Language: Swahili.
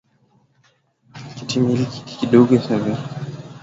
kilitumika kidogo sana miongoni mwa vikosi vya